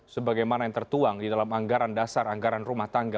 sebagaimana yang tertuang di dalam anggaran dasar anggaran rumah tangga